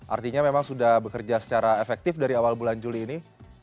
artinya memang sudah bekerja secara efektif dari awal bulan juli ini